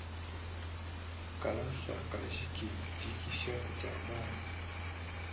Kalasa kajiki, dikisha dia bangi.